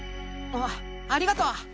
あありがとう。